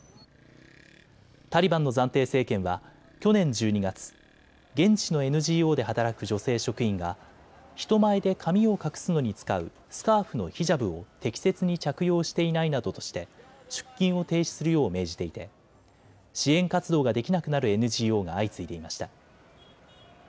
タリバンの暫定政権は去年１２月、現地のＮＧＯで働く女性職員が人前で髪を隠すのに使うスカーフのヒジャブを適切に着用していないなどとして出勤を停止するよう命じていて支援活動ができなくなるＮＧＯが相次いでいました。